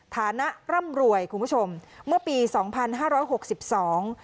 ฐานะร่ำรวยคุณผู้ชมเมื่อปีสองพันห้าร้อยหกสิบสอง